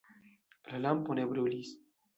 La lampo ne brulis.